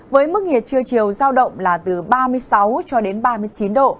với mức nhiệt trưa chiều giao động là từ ba mươi sáu cho đến ba mươi chín độ